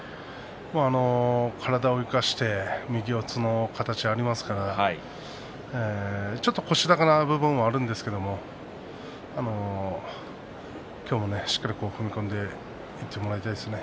体を生かして右四つの形がありますからちょっと腰高な部分がありますけれども今日も、しっかりと踏み込んでいってもらいたいですね。